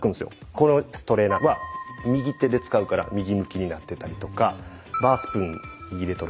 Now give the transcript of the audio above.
このストレーナーは右手で使うから右向きになってたりとかバースプーン右で取るからそうなってる。